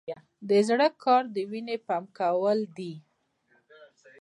د زړه کار د وینې پمپ کول دي